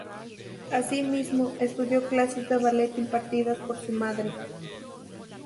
Asimismo, estudió clases de ballet impartidas por su madre.